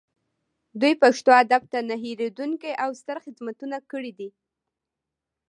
دوی پښتو ادب ته نه هیریدونکي او ستر خدمتونه کړي دي